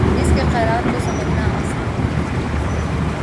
اس کے خیالات کو سمجھنا آسان نہیں ہے